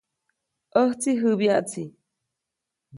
ʼÄjtsi jäbyaʼtsi.